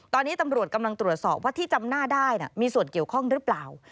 ตอนนี้ตำรวจกำลังตรวจสอบว่าที่จำหน้าได้มีส่วนเกี่ยวข้องหรือเปล่า